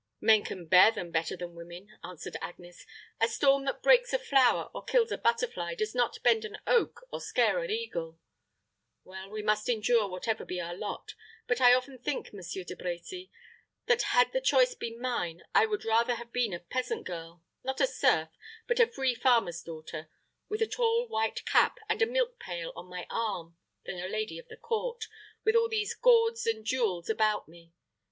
"Men can bear them better than women," answered Agnes. "A storm that breaks a flower or kills a butterfly, does not bend an oak or scare an eagle. Well, we must endure whatever be our lot; but I often think, Monsieur De Brecy, that, had the choice been mine, I would rather have been a peasant girl not a serf, but a free farmer's daughter with a tall, white cap, and a milk pail on my arm, than a lady of the court, with all these gauds and jewels about me.